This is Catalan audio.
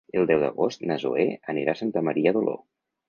El deu d'agost na Zoè anirà a Santa Maria d'Oló.